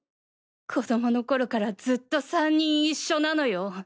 子供の頃からずっと３人一緒なのよ。